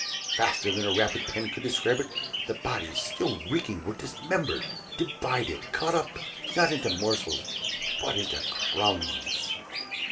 Faster than a rapid pen could describe it, the bodies, still reeking, were dismembered, divided, cut up, not into morsels, but into crumbs.